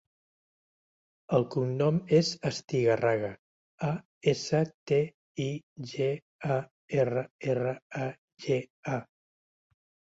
El cognom és Astigarraga: a, essa, te, i, ge, a, erra, erra, a, ge, a.